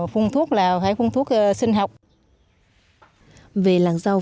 phun thuốc là phải phát sinh nhiều hơn